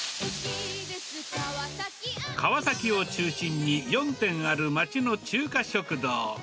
川崎を中心に４店ある町の中華食堂。